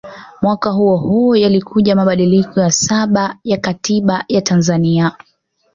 Mwaka huohuo yalikuja mabadiliko ya saba ya Katiba ya Tanzania